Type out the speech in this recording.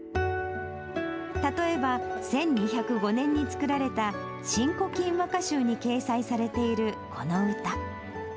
例えば、１２０５年に作られた新古今和歌集に掲載されているこの歌。